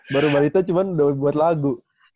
baru balita cuma udah buat lagu